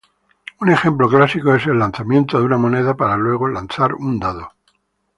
Un ejemplo clásico es el lanzamiento de una moneda para luego lanzar un dado.